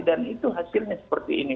itu hasilnya seperti ini